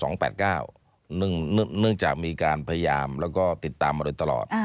เนื่องจากมีการพยายามแล้วก็ติดตามมาโดยตลอด